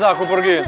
udah rapi banget ini